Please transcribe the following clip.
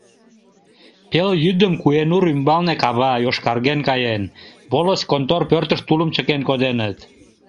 Пелйӱдым Куэнур ӱмбалне кава йошкарген каен: волость контор пӧртыш тулым чыкен коденыт.